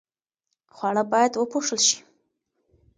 خواړه باید وپوښل شي.